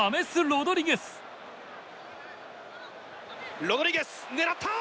ロドリゲス狙った！